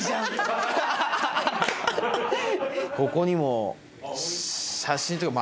ここにも。